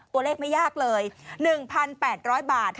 ตัวเลขไม่ยากเลย๑๘๐๐บาท